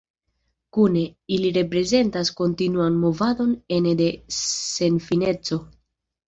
Kune, ili reprezentas kontinuan movadon ene de senfineco.